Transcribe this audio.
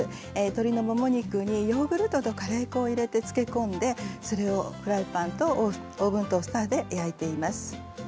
鶏のもも肉にヨーグルトとカレー粉を入れて漬け込んでそれをフライパンとオーブントースターで焼いています。